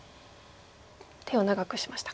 手を長くしましたか。